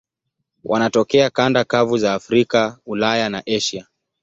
Wanatokea kanda kavu za Afrika, Ulaya na Asia.